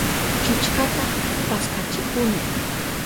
Killkata paskachihuni.